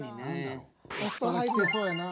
アスパラきてそうやな。